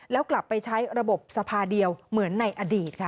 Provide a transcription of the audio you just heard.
แล้วกลับไปใช้ระบบสภาเดียวเหมือนในอดีตค่ะ